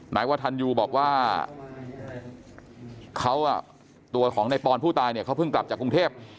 นายวัฒนยูบอกว่าเขาตัวของในปอนผู้ตายเนี่ยเขาเพิ่งกลับจากกรุงเทพ